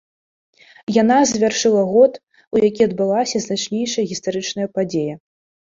Яна завяршыла год, у які адбылася значнейшая гістарычная падзея.